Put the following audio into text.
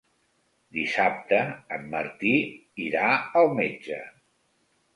Dissabte en Martí irà al metge.